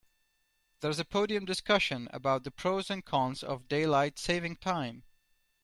There's a podium discussion about the pros and cons of daylight saving time.